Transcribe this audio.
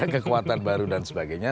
kekuatan baru dan sebagainya